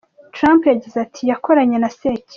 Trump yagize ati “Yakoranye na sekibi.